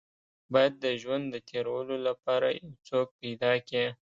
بايد د ژوند د تېرولو لپاره يو څوک پيدا کې.